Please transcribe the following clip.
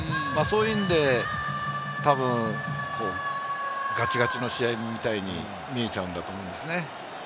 そういう意味でガチガチの試合みたいに見えちゃうんだと思うんですね。